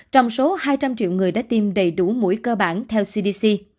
trong số hai trăm linh triệu người đã tiêm đầy đủ mũi cơ bản theo cdc